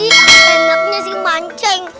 ih enaknya sih mancing